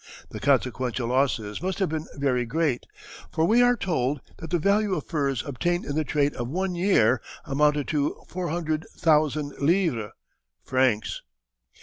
The consequential losses must have been very great, for we are told that the value of furs obtained in the trade of one year amounted to 400,000 livres (francs).